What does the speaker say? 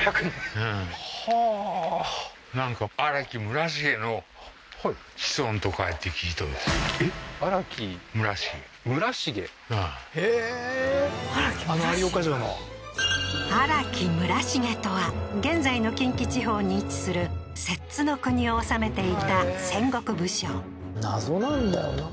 へえーあの有岡城の荒木村重とは現在の近畿地方に位置する摂津国を治めていた戦国武将謎なんだよな